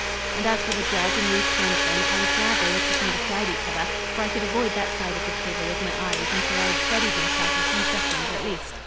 And as for the judge and Ruth Clinton, I was glad they were sitting beside each other, for I could avoid that side of the table with my eyes until I had steadied myself a few seconds at least.